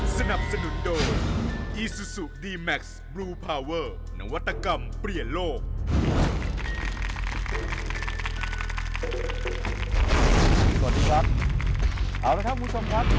สนับสนุนโดอีซูซูดีแม็กซ์บลูพาเวอร์นวัตกรรมเปลี่ยนโลก